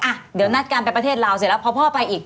อ่ะเดี๋ยวนัดกันไปประเทศลาวเสร็จแล้วพอพ่อไปอีก